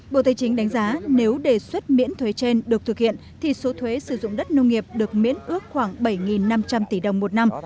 bộ tây chính đánh giá nếu đề xuất miễn thuế trên được thực hiện thì số thuế sử dụng đất nông nghiệp được miễn ước khoảng bảy năm trăm linh tỷ đồng một năm